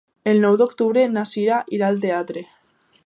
El nou d'octubre na Sira irà al teatre.